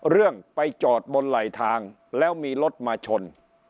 เรื่องไปจอดบนไหลทางแล้วมีรถมาชน